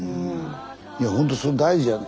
いやほんとそれ大事やで。